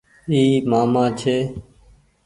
اي مآمآ ڇي ۔